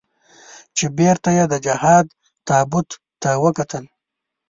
چې بېرته یې د جهاد تابوت ته وکتل.